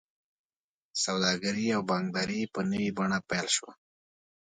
سوداګري او بانکداري په نوې بڼه پیل شوه.